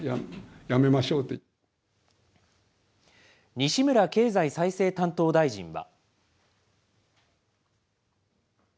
西村経済再生担当大臣は。